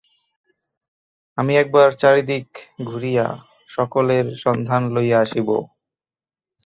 আমি একবার চারিদিক ঘুরিয়া সকলের সন্ধান লইয়া আসিব।